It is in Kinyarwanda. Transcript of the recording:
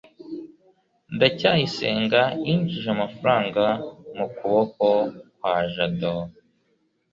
ndacyayisenga yinjije amafaranga mu kuboko kwa jabo